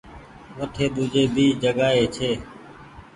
وٺي ۮوجي ڀي جگآ ئي ڇي۔